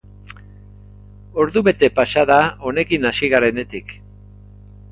Ordu bete pasa da honekin hasi garenetik.